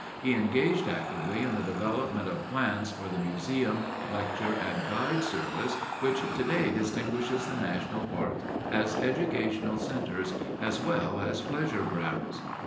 He engaged actively in the development of plans for the museum, lecture, and guide service which today distinguishes the national parks as educational centers as well as pleasure grounds.